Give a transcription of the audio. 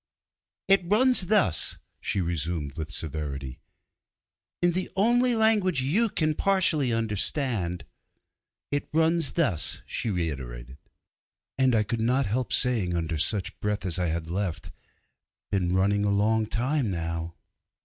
'It runs thus,' she resumed with severity, 'in the only language you can partially understand 'It runs thus,' she reiterated, and I could not help saying under such breath as I had left, 'Been running a long time now.'